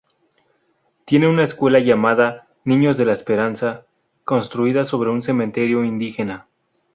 Tiene una escuela llamada Niños de la esperanza construida sobre un cementerio indígena.